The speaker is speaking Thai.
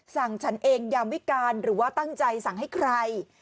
ฉันเองยามวิการหรือว่าตั้งใจสั่งให้ใคร